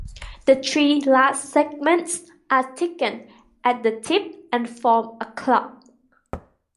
The three last segments are thickened at the tip and form a club.